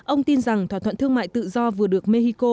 ông tin rằng thỏa thuận thương mại tự do vừa được mexico